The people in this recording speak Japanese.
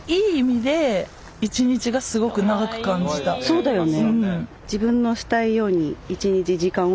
そうだよね。